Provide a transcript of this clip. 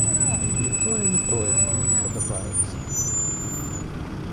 Ні тое, ні тое мне не падабаецца!